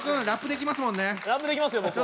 ラップできますよ